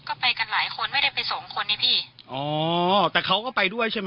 ก็ไปกันหลายคนไม่ได้ไปสองคนไงพี่อ๋อแต่เขาก็ไปด้วยใช่ไหม